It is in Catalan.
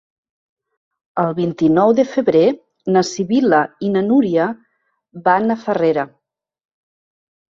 El vint-i-nou de febrer na Sibil·la i na Núria van a Farrera.